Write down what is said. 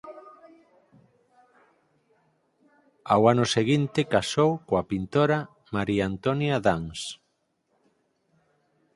Ao ano seguinte casou coa pintora María Antonia Dans.